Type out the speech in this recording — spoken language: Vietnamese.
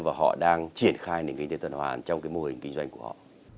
và họ đang triển khai nền kinh tế tuần hoàn trong cái mô hình kinh doanh của họ